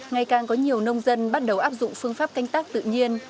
ngày càng có nhiều nông dân bắt đầu áp dụng phương pháp canh tác tự nhiên